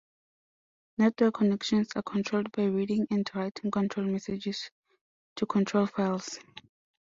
Network connections are controlled by reading and writing control messages to control files.